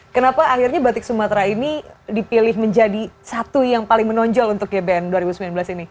kenapa akhirnya batik sumatera ini dipilih menjadi satu yang paling menonjol untuk gbn dua ribu sembilan belas ini